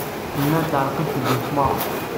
Llant qellɛent-d imesmaṛen.